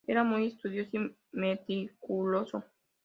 Era muy estudioso y meticuloso.